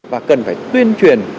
và cần phải tuyên truyền